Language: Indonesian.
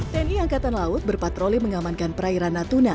tni angkatan laut berpatroli mengamankan perairan natuna